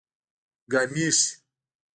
ګامېښې